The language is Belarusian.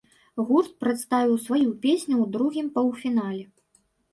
Гурт прадставіў сваю песню ў другім паўфінале.